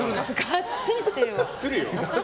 がっつりしてるわ。